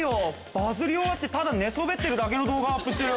バズり終わってただ寝そべってるだけの動画アップしてるよ。